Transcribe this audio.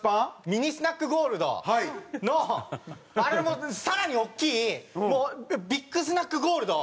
ミニスナックゴールドのあれのさらに大きいビッグスナックゴールドを。